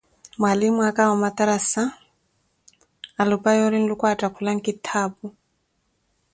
mwanlimo aka wa omatarasa alupa yoori Nluuku attakula nkitaapu.